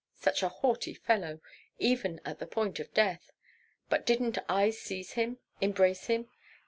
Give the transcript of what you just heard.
Such a haughty fellow, even at the point of death! But didn't I seize him, embrace him?